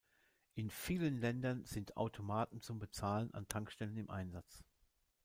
In vielen Ländern sind Automaten zum Bezahlen an Tankstellen im Einsatz.